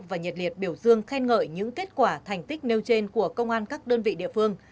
và nhiệt liệt biểu dương khen ngợi những kết quả thành tích nêu trên của công an các đơn vị địa phương